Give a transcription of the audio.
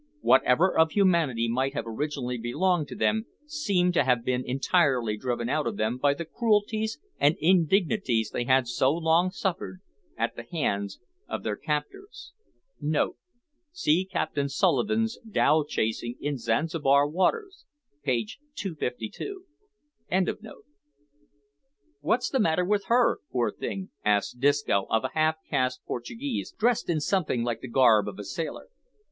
Whatever of humanity might have originally belonged to them seemed to have been entirely driven out of them by the cruelties and indignities they had so long suffered at the hands of their captors. [See Captain Sulivan's Dhow chasing in Zanzibar Waters, page 252.] "Wot's the matter with her, poor thing?" asked Disco of a half caste Portuguese, dressed in something like the garb of a sailor.